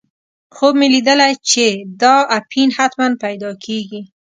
خوب مې لیدلی چې دا اپین حتماً پیدا کېږي.